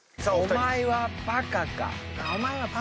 「お前はバカか」